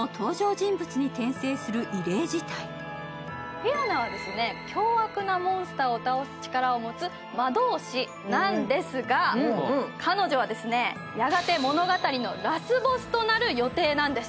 フィオナは凶悪なモンスターを倒す魔導士なんですが彼女はやがて物語のラスボスとなる予定なんです。